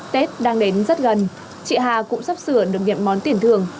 tết đang đến rất gần chị hà cũng sắp sửa được nghiệp món tiền thường